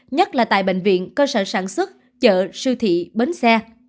nhất là tại bệnh viện cơ sở sản xuất chợ siêu thị bến xe